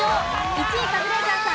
１位カズレーザーさん